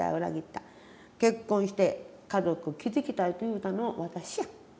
結婚して家族築きたいと言うたのも私や。